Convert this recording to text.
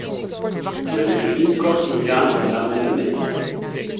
Dan wil ik nu kort ingaan op de amendementen.